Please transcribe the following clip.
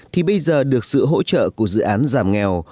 thì bây giờ được sự hỗ trợ của dự án giảm nghèo